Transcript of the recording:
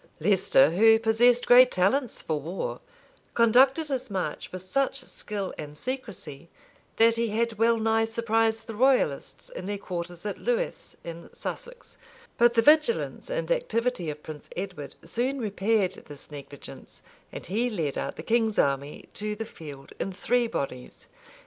Leicester, who possessed great talents for war, conducted his march with such skill and secrecy, that he had well nigh surprised the royalists in their quarters at Lewes, in Sussex, but the vigilance and activity of Prince Edward soon repaired this negligence; and he led out the king's army to the field in three bodies.